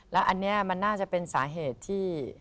แล้วอันนี้มันน่าจะเป็นสาเหตุที่